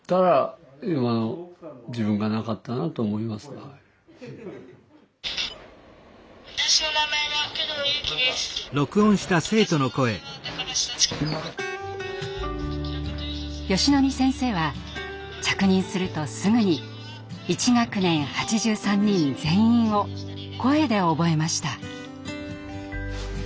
よしのり先生は着任するとすぐに１学年８３人全員を声で覚えました。